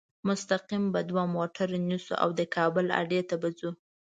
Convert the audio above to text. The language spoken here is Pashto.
مستقیم به دوه موټره نیسو او د کابل اډې ته به ځو.